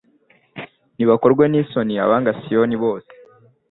Nibakorwe n’isoni abanga Siyoni bose